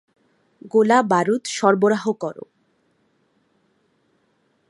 গোলাবারুদ সরবরাহ কর!